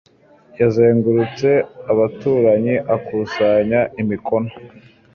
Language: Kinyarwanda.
yazengurutse abaturanyi akusanya imikono